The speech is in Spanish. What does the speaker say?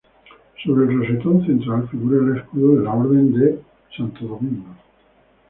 Sobre el rosetón central figura el escudo de la orden de Santo Domingo.